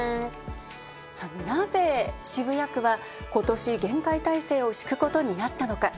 なぜ渋谷区は、今年厳戒態勢を敷くことになったのか。